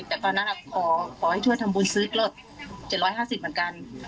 แต่ตอนนั้นอ่ะขอขอให้เพื่อนทำบุญซื้อกลดเจ็ดร้อยห้าสิบเหมือนกัน